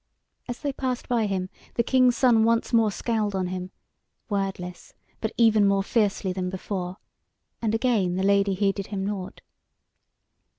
As they passed by him, the King's Son once more scowled on him, wordless, but even more fiercely than before; and again the Lady heeded him nought.